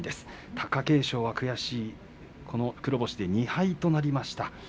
貴景勝は悔しい黒星で２敗となりました。